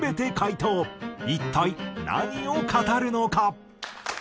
一体何を語るのか？